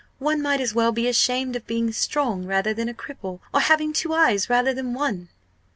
One might as well be ashamed of being strong rather than a cripple, or having two eyes rather than one!"